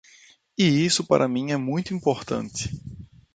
E isso para mim é muito importante.